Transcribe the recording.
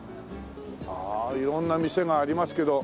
ああ色んな店がありますけど。